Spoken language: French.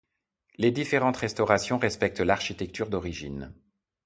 Les différentes restaurations respectent l'architecture d'origine.